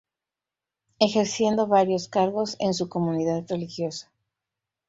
Ejerciendo varios cargos en su comunidad religiosa.